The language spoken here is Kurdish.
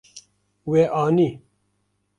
We anî.